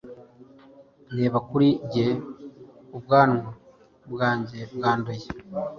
Reba kuri njye ubwanwa bwanjye bwanduye